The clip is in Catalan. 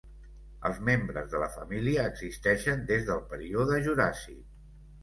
Els membres de la família existeixen des del període Juràssic.